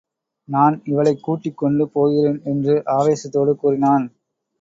நான் இவளைக் கூட்டிக் கொண்டு போகிறேன் என்று ஆவேசத்தோடு கூறினான்.